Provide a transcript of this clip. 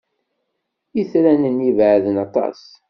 Itran-nni beɛden aṭas.